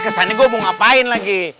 kesannya gue mau ngapain lagi